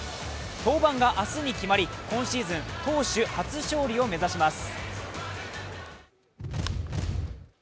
登板が明日に決まり、今シーズン投手初勝利を目指します。